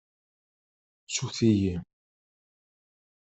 Ttut-iyi.